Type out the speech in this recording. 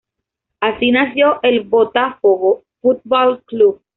Así nació el Botafogo Football Club.